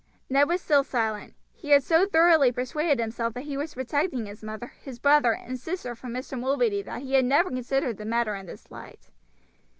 Ned was still silent. He had so thoroughly persuaded himself that he was protecting his mother, his brother, and sister from Mr. Mulready that he had never considered the matter in this light.